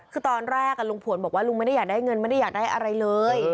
คือตอนแรกลุงผวนบอกว่าลุงไม่ได้อยากได้เงินไม่ได้อยากได้อะไรเลย